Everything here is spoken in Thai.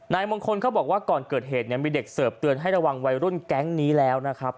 มงคลเขาบอกว่าก่อนเกิดเหตุเนี่ยมีเด็กเสิร์ฟเตือนให้ระวังวัยรุ่นแก๊งนี้แล้วนะครับ